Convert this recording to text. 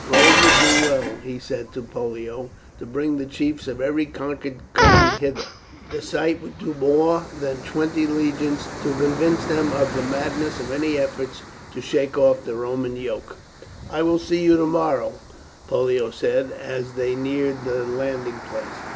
"Rome would do well," he said to Pollio, "to bring the chiefs of every conquered country hither; the sight would do more than twenty legions to convince them of the madness of any efforts to shake off the Roman yoke." "I will see you tomorrow," Pollio said as they neared the landing place.